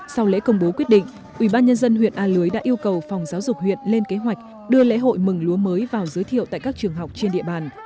sau lễ công bố quyết định ubnd huyện a lưới đã yêu cầu phòng giáo dục huyện lên kế hoạch đưa lễ hội mừng lúa mới vào giới thiệu tại các trường học trên địa bàn